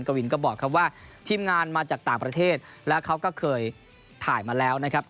วินก็บอกครับว่าทีมงานมาจากต่างประเทศแล้วเขาก็เคยถ่ายมาแล้วนะครับ